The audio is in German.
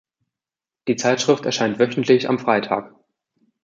Die Zeitschrift erscheint wöchentlich am Freitag.